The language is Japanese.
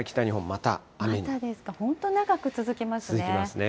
またですか、本当長く続きますね。